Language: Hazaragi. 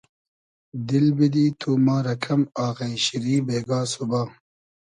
دیل بیدی تو ما رۂ کئم آغݷ شیری بېگا سوبا